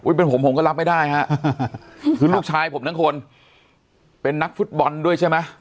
เป็นผมผมก็รับไม่ได้ฮะคือลูกชายผมทั้งคนเป็นนักฟุตบอลด้วยใช่ไหม